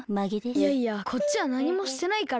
いやいやこっちはなにもしてないから。